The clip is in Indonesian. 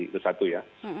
itu satu ya